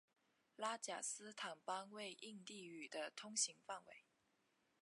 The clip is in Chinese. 拉贾斯坦邦为印地语的通行范围。